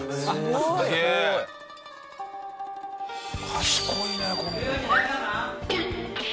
賢いねこの子。